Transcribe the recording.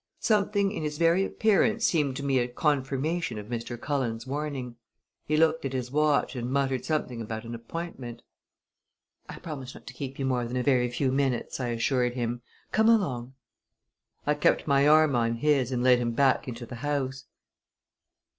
Something in his very appearance seemed to me a confirmation of Mr. Cullen's warning. He looked at his watch and muttered something about an appointment. "I promise not to keep you more than a very few minutes," I assured him. "Come along!" I kept my arm on his and led him back into the house.